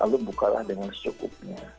lalu bukalah dengan secukupnya